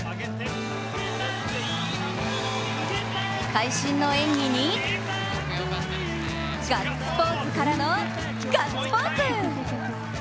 会心の演技にガッツポーズからの、ガッツポーズ！